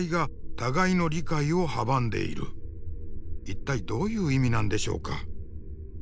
一体どういう意味なんでしょうか。